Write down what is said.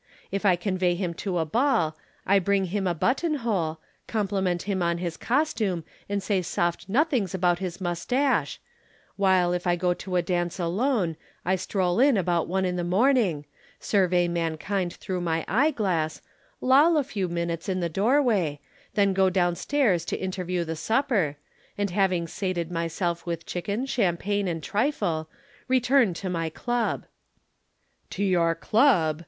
If I convey him to a ball, I bring him a button hole, compliment him upon his costume and say soft nothings about his moustache, while if I go to a dance alone I stroll in about one in the morning, survey mankind through my eyeglass, loll a few minutes in the doorway, then go downstairs to interview the supper, and having sated myself with chicken, champagne and trifle return to my club." "To your club!"